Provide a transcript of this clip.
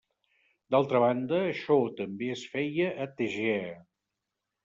D'altra banda això també es feia a Tegea.